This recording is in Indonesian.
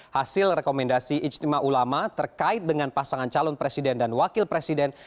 hasil rekomendasi ijtima ulama terkait dengan pasangan calon presiden dan wakil presiden